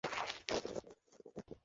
তোমারা বিশ্রাম কর আমি আসছি।